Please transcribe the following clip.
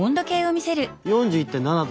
４１．７℃。